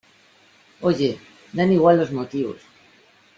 oye, dan igual los motivos